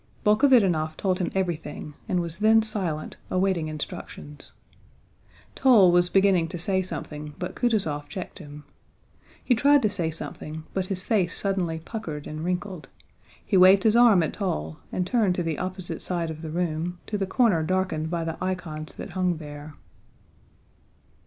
Bolkhovítinov told him everything and was then silent, awaiting instructions. Toll was beginning to say something but Kutúzov checked him. He tried to say something, but his face suddenly puckered and wrinkled; he waved his arm at Toll and turned to the opposite side of the room, to the corner darkened by the icons that hung there.